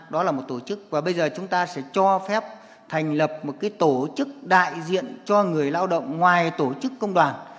đó là một tổ chức và bây giờ chúng ta sẽ cho phép thành lập một tổ chức đại diện cho người lao động ngoài tổ chức công đoàn